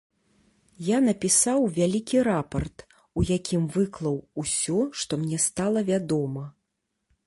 Я напісаў вялікі рапарт, у якім выклаў усё, што мне стала вядома.